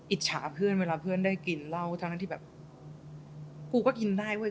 อิจฉาเพื่อนเวลาเพื่อนได้กินเหล้าทั้งนั้นที่แบบกูก็กินได้เว้